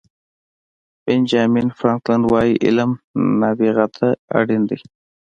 بینجامین فرانکلن وایي علم نابغه ته اړین دی.